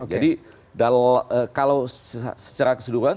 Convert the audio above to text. jadi kalau secara keseluruhan